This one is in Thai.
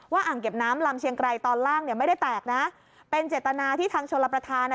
อ่างเก็บน้ำลำเชียงไกรตอนล่างเนี่ยไม่ได้แตกนะเป็นเจตนาที่ทางชลประธานอ่ะ